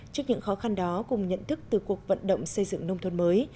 trước những khó khăn đó cùng nhận thức từ cuộc vận động xây dựng nông thôn mới